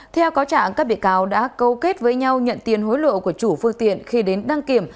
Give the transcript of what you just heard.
theo cáo trạng các bị cáo đã câu kết với nhau nhận tiền hối lộ của chủ phương tiện khi đến đăng kiểm